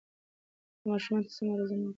که ماشوم ته سمه روزنه وکړو، نو هغه به عاقل سي.